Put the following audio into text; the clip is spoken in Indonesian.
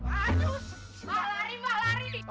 aduh mah lari mah lari nih